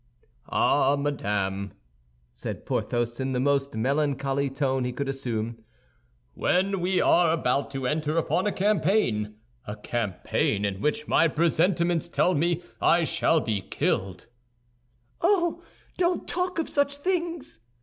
"Ah, madame," said Porthos, in the most melancholy tone he could assume, "when we are about to enter upon a campaign—a campaign, in which my presentiments tell me I shall be killed—" "Oh, don't talk of such things!"